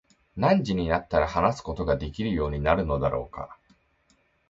何時になったら話すことができるようになるのだろうか。